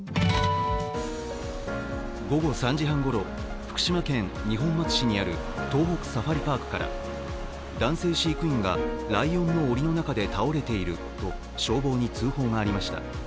午後３時半ごろ、福島県二本松市にある東北サファリパークから男性飼育員が、ライオンのおりの中で倒れていると消防に通報がありました。